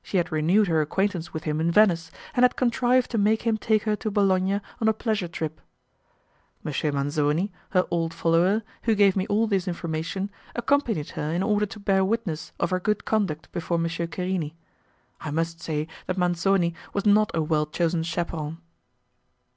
She had renewed her acquaintance with him in Venice, and had contrived to make him take her to Bologna on a pleasure trip. M. Manzoni, her old follower, who gave me all this information, accompanied her in order to bear witness of her good conduct before M. Querini. I must say that Manzoni was not a well chosen chaperon.